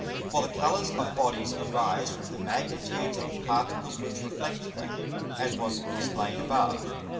For the Colours of Bodies arise from the Magnitudes of the Particles which reflect them, as was explained above.